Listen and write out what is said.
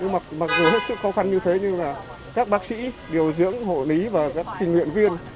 mặc dù hết sức khó khăn như thế nhưng là các bác sĩ điều dưỡng hộ lý và các tình nguyện viên